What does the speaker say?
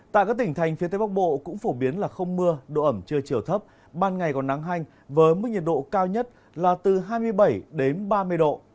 tại các tỉnh thành phía tây bắc bộ cũng phổ biến là không mưa độ ẩm chưa chiều thấp ban ngày còn nắng hanh với mức nhiệt độ cao nhất là từ hai mươi bảy đến ba mươi độ